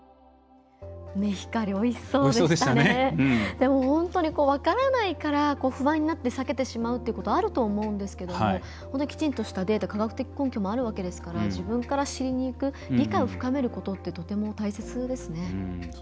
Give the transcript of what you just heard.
でも、本当に分からないから不安になって避けてしまうっていうことあると思うんですけどもきちんとしたデータ科学的根拠もあるわけですから自分から知りにいく理解を深めることってとても大切ですね。